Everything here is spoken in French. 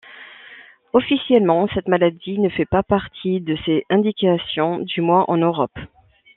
Officiellement, cette maladie ne fait pas partie de ses indications, du moins en Europe.